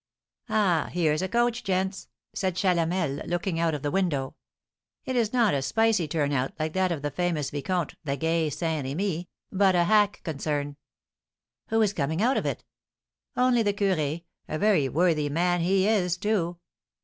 "Ah, here's a coach, gents!" said Chalamel, looking out of the window; "it is not a spicy turn out like that of the famous vicomte, the gay Saint Remy, but a hack concern." "Who is coming out of it?" "Only the curé, a very worthy man he is, too."